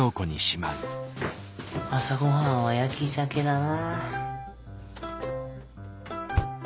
朝ごはんは焼きジャケだな。